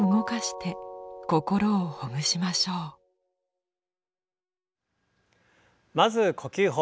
まず呼吸法。